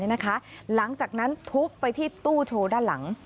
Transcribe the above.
หลังจากนั้นทุบไปที่ตู้โชว์ด้านหลัง